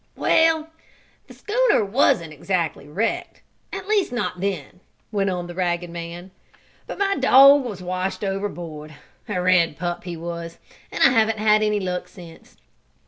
"Well, the schooner wasn't exactly wrecked at least not then," went on the ragged man. "But my dog was washed overboard a red pup he was, and I haven't had any luck since.